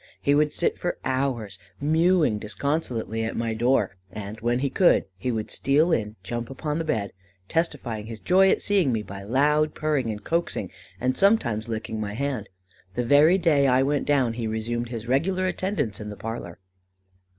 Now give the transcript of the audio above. He would sit for hours mewing disconsolately at my door; and when he could, he would steal in, jump upon the bed, testifying his joy at seeing me by loud purring and coaxing, and sometimes licking my hand. The very day I went down, he resumed his regular attendance in the parlour."